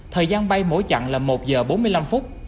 thời gian bay mỗi chặng là một giờ bốn mươi năm phút